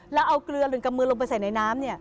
แล้วเอาเกลือหรือกำมือลงไปใส่ในน้ำ